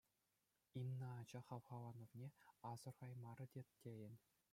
Инна ача хавхаланӑвне асӑрхаймарӗ те тейӗн.